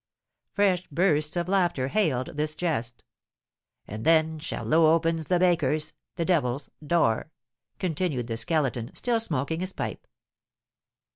Fresh bursts of laughter hailed this jest. "And then Charlot opens the baker's (the devil's) door," continued the Skeleton, still smoking his pipe.